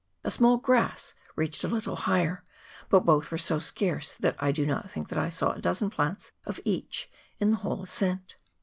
A small grass reached a little higher, but both were so scarce that I do not think I saw a dozen plants of each in the whole ascent.